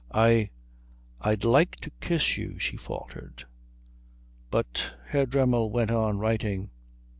"I I'd like to kiss you," she faltered. But Herr Dremmel went on writing.